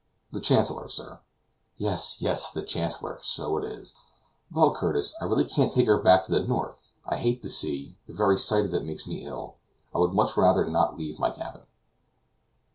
"The Chancellor, sir." "Yes, yes, the Chancellor, so it is. Well, Curtis, I really can't take her back to the north. I hate the sea, the very sight of it makes me ill, I would much rather not leave my cabin."